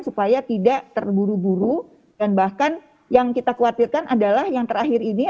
supaya tidak terburu buru dan bahkan yang kita khawatirkan adalah yang terakhir ini